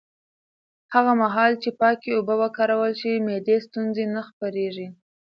هغه مهال چې پاکې اوبه وکارول شي، معدي ستونزې نه خپرېږي.